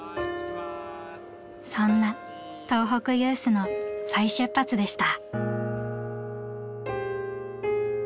そんな東北ユースの再出発でした。